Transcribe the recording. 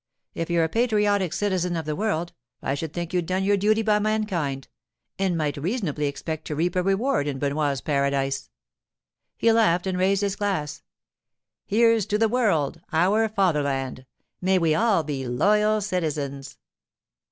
If you're a patriotic citizen of the world, I should think you'd done your duty by mankind, and might reasonably expect to reap a reward in Benoit's paradise.' He laughed and raised his glass. 'Here's to the World, our fatherland! May we all be loyal citizens!